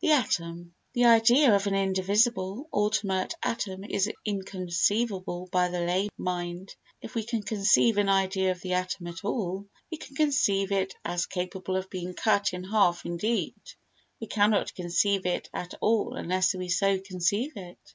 The Atom The idea of an indivisible, ultimate atom is inconceivable by the lay mind. If we can conceive an idea of the atom at all, we can conceive it as capable of being cut in half indeed, we cannot conceive it at all unless we so conceive it.